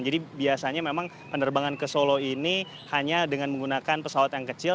jadi biasanya memang penerbangan ke solo ini hanya dengan menggunakan pesawat yang kecil